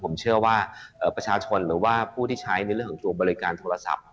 ผมเชื่อว่าประชาชนหรือว่าผู้ที่ใช้ในเรื่องของตัวบริการโทรศัพท์